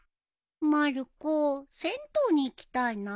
まる子銭湯に行きたいな。